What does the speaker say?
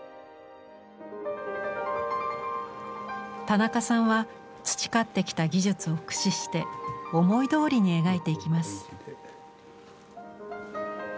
田中さんは培ってきた技術を駆使して思いどおりに描いていきます。